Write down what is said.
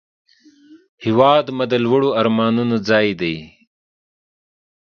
هیواد مې د لوړو آرمانونو ځای دی